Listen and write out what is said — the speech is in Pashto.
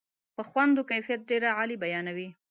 په خوند و کیفیت ډېره عالي بیانوي.